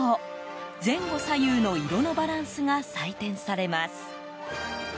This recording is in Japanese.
前後左右の色のバランスが採点されます。